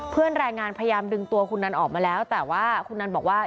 แรงงานพยายามดึงตัวคุณนันออกมาแล้วแต่ว่าคุณนันบอกว่า